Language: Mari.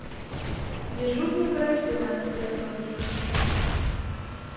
Дежурный врач денат кутырен ончыш.